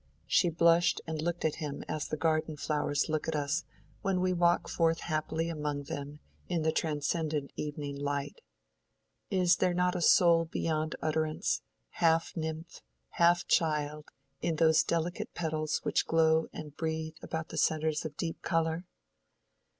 She blushed and looked at him as the garden flowers look at us when we walk forth happily among them in the transcendent evening light: is there not a soul beyond utterance, half nymph, half child, in those delicate petals which glow and breathe about the centres of deep color?